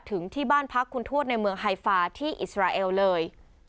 ถึงที่บ้านพักคุณทวดในเมืองไฮฟาที่อิสราเอลเลย